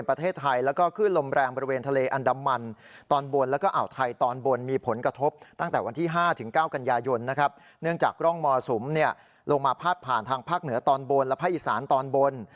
ภาคเหนือตอนบนและภาคอีสานตอนบน